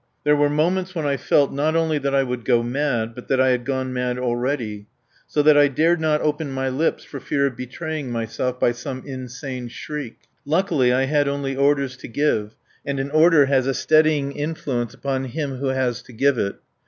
There were moments when I felt, not only that I would go mad, but that I had gone mad already; so that I dared not open my lips for fear of betraying myself by some insane shriek. Luckily I had only orders to give, and an order has a steadying influence upon him who has to give it.